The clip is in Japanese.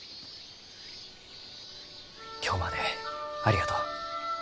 今日までありがとう。